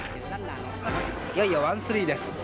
いよいよワンスリーです。